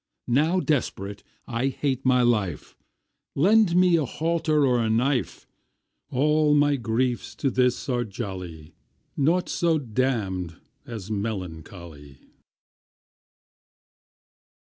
Now desperate I hate my life, Lend me a halter or a knife; All my griefs to this are jolly, Naught so damn'd as melancholy.